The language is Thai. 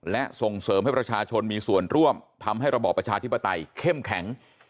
และส่งเสริมให้ประชาชนมีส่วนร่วมทำให้ระบอบประชาธิปไตยเข้มแข็ง